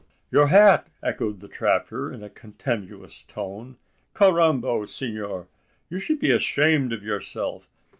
"Your hat!" echoed the trapper in a contemptuous tone. "Carrambo, senor! you should be ashamed of yourself.